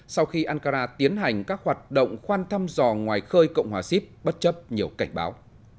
sau khi ankara tiến hành các hoạt động khoan thăm dò ngoài khơi cộng hòa xíp bất chấp nhiều cảnh báo